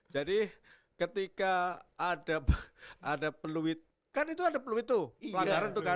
jadi ketika ada peluit kan itu ada peluit tuh pelanggaran tuh kan